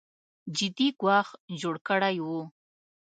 جدي ګواښ جوړ کړی و